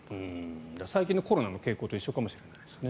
最近のコロナの傾向と一緒かもしれないですね。